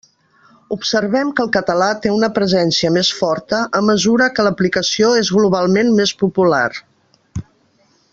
Observem que el català té una presència més forta a mesura que l'aplicació és globalment més popular.